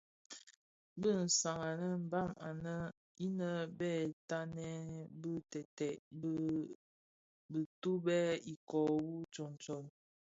Bi sans an a mbam anèn innë bè tatnèn bi teted bi bitimbè ikoo wu tsuňtsuň.